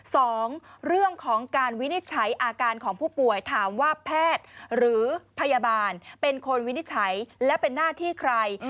สองเรื่องของการวินิจฉัยอาการของผู้ป่วยถามว่าแพทย์หรือพยาบาลเป็นคนวินิจฉัยและเป็นหน้าที่ใคร